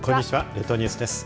列島ニュースです。